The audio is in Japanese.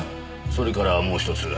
それからもう１つ。